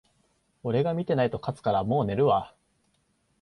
俺が見てないと勝つから、もう寝るわ